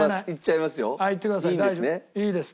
いいです。